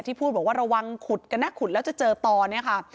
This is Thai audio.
พูดบอกว่าระวังขุดกันนะขุดแล้วจะเจอต่อเนี่ยค่ะ